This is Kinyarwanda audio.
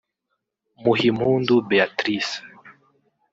Muhimpundu Béatrice